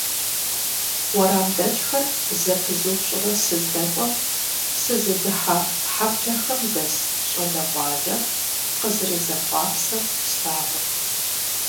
УэрамдэкӀхэр зэпызупщӀурэ сыздэкӀуэм, сызыдыхьэ хьэблэхэм дэс щӀалэгъуалэр къызэрызэхъуапсэр слъагъурт.